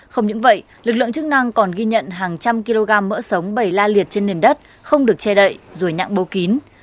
không những vậy lực lượng chức năng còn ghi nhận hàng trăm kg mỡ sống bày la liệt trên nền đất không được che đậy rồi nặng bô kín